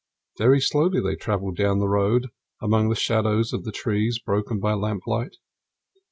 Very slowly they travelled down the road among the shadows of the trees broken by lamplight.